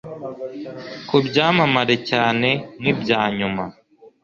Kubyamamare cyane nkibyanyuma